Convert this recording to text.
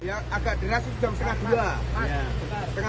yang agak deras itu jam setengah dua